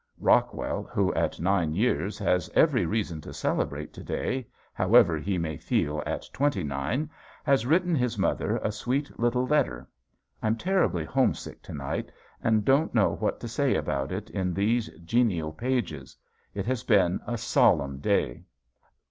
Rockwell, who at nine years has every reason to celebrate to day, however he may feel at twenty nine, has written his mother a sweet little letter. I'm terribly homesick to night and don't know what to say about it in these genial pages. It has been a solemn day.